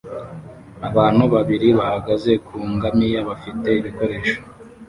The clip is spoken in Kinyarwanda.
Abantu babiri bahagaze ku ngamiya bafite ibikoresho